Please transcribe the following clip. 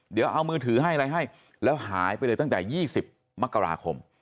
เดี๋ยวเอามือถือให้อะไรให้แล้วหายไปเลยตั้งแต่๒๐มกราคม